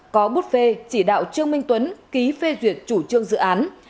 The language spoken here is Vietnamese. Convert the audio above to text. có bút phê chỉ đạo trương minh tuấn ký phê duyệt chủ trương dự án